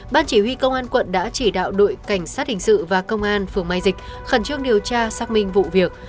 ban chỉ huy công an quận đã chỉ đạo đội cảnh sát hình sự và công an phường mai dịch khẩn trương điều tra xác minh vụ việc